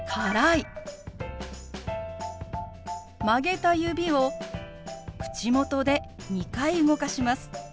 曲げた指を口元で２回動かします。